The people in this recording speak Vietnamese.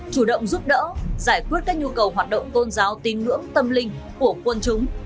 chủ động giúp đỡ giải quyết các nhu cầu hoạt động tôn giáo tin ngưỡng tâm linh của quân chúng